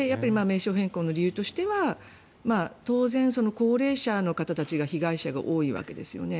名称変更の理由としては当然、高齢者の方たちが被害者が多いわけですよね。